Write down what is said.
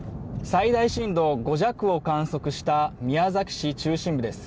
最大震度５弱を観測した宮崎市中心部です。